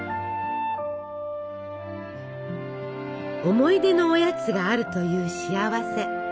思い出のおやつがあるという幸せ。